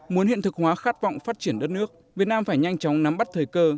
muốn hiện thực hóa khát vọng phát triển đất nước việt nam phải nhanh chóng nắm bắt thời cơ